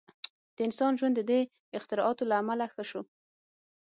• د انسان ژوند د دې اختراعاتو له امله ښه شو.